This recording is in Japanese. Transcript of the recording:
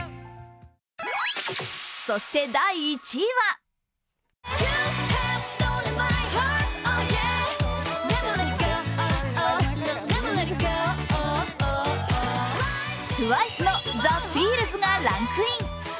そして第１位はＴＷＩＣＥの「ＴｈｅＦｅｅｌｓ」がランクイン。